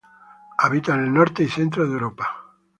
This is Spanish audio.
Habita en el Norte y centro de Europa.